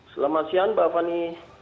selamat siang bapak fani